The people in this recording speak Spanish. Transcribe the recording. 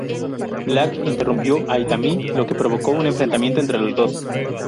Black interrumpió a Itami, lo que provocó un enfrentamiento entre los dos.